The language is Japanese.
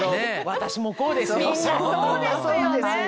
私もこうですよ。